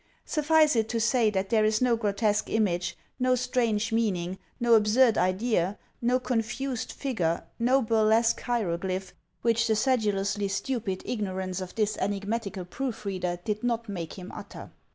Suffice it to say that there is no grotesque image, no strange meaning, no absurd idea, no confused figure, no burlesque hieroglyph, which the sedulously stupid ignorance of this enigmatical proof reader did not make him utter.